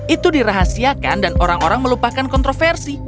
itu dirahasiakan dan orang orang melupakan kontroversi